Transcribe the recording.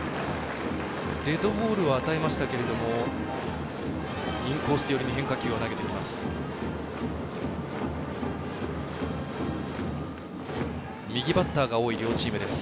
デッドボールは与えましたがインコース寄りに変化球を投げてきます。